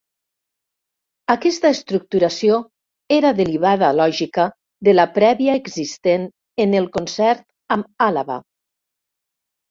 Aquesta estructuració era derivada lògica de la prèvia existent en el Concert amb Àlaba.